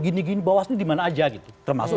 gini gini bawaslu dimana aja gitu termasuk